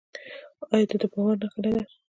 آیا دا د باور نښه نه ده؟